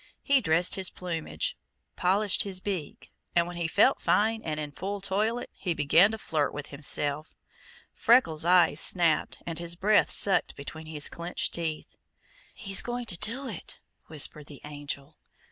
He dressed his plumage, polished his beak, and when he felt fine and in full toilet he began to flirt with himself. Freckles' eyes snapped and his breath sucked between his clenched teeth. "He's going to do it!" whispered the Angel.